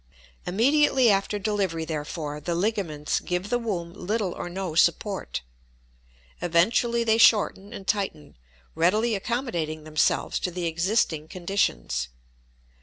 Immediately after delivery, therefore, the ligaments give the womb little or no support; eventually they shorten and tighten, readily accommodating themselves to the existing conditions.